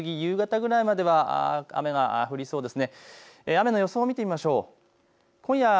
昼過ぎ、夕方ぐらいまでは雨が降りそうです。